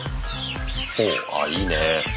ほうあいいね。